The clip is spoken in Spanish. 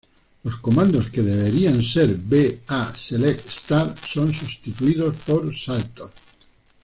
Los comandos que deberían ser B, A, Select, Start, son sustituidos por saltos.